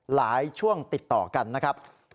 ช่วงติดต่อกันนะครับ